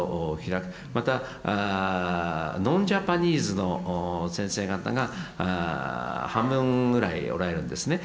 またノンジャパニーズの先生方が半分ぐらいおられるんですね。